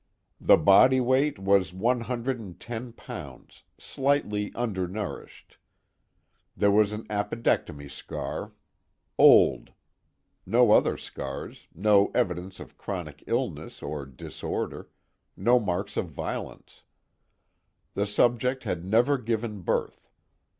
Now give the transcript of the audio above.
The body weight was one hundred and ten pounds, slightly undernourished. There was an appendectomy scar, old; no other scars, no evidence of chronic illness or disorder, no marks of violence; the subject had never given birth.